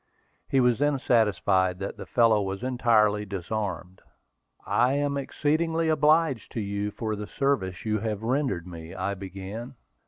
He was then satisfied that the fellow was entirely disarmed. "I am exceedingly obliged to you for the service you have rendered me," I began.